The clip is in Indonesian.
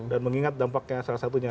dan mengingat dampaknya sedunia